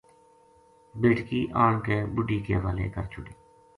بیٹکی آن کے بڈھی کے حوالے کر چھوڈی